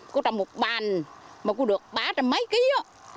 cô trồng một bàn mà cô được ba trăm linh mấy kg đó